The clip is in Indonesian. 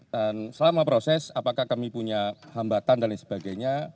dan selama proses apakah kami punya hambatan dan lain sebagainya